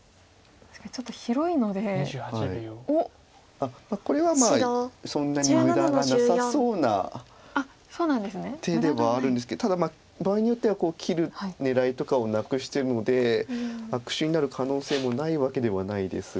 あっこれはまあそんなに無駄がなさそうな手ではあるんですけどただ場合によっては切る狙いとかをなくしてるので悪手になる可能性もないわけではないですが。